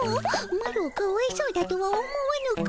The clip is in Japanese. マロをかわいそうだとは思わぬか？